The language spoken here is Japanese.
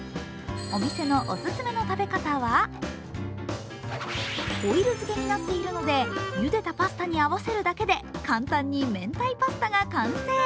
お店のオススメの食べ方はオイル漬けになっているのでゆでたパスタに合わせるだけで簡単にめんたいパスタが完成。